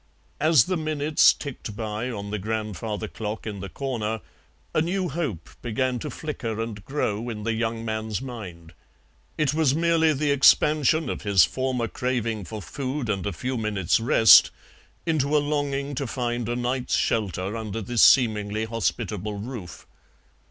As the minutes ticked by on the grandfather clock in the corner a new hope began to flicker and grow in the young man's mind; it was merely the expansion of his former craving for food and a few minutes' rest into a longing to find a night's shelter under this seemingly hospitable roof.